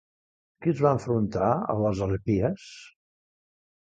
Qui es va enfrontar a les harpies?